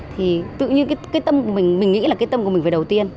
thì tự nhiên cái tâm của mình mình nghĩ là cái tâm của mình phải đầu tiên